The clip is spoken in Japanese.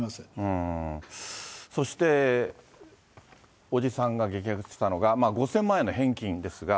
そして、伯父さんが激白したのが、５０００万円の返金ですが。